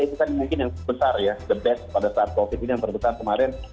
itu kan mungkin yang terbesar ya the best pada saat covid ini yang terbesar kemarin